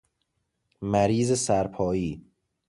مریض سرپائی